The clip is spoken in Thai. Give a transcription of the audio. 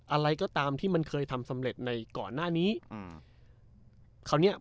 อะไรก็ตามที่มันเคยทำสำเร็จในก่อนหน้านี้อืมคราวเนี้ย